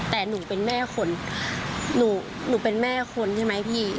แต่หนูเป็นแม่คนหนูเป็นแม่คนใช่ไหมพี่